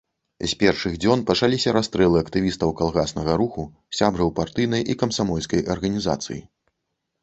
З першых дзён пачаліся расстрэлы актывістаў калгаснага руху, сябраў партыйнай і камсамольскай арганізацыі.